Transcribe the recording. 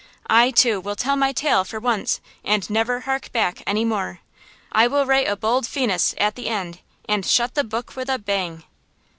I, too, will tell my tale, for once, and never hark back any more. I will write a bold "Finis" at the end, and shut the book with a bang!